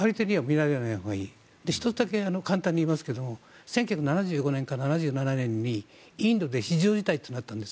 １つだけ簡単に言いますけれども１９９５年から１９７７年にインドで非常事態というのがあったんです。